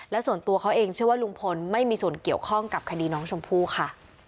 และส่วนตัวเขาเองเชื่อว่าลุงพลไม่มีส่วนเกี่ยวข้องกับคดีน้องชมพู่ค่ะ